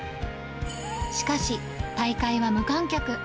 しかし、大会は無観客。